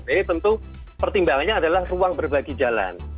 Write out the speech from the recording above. jadi tentu pertimbangannya adalah ruang berbagi jalan